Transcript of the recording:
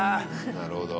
なるほど。